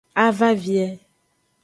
A va vie.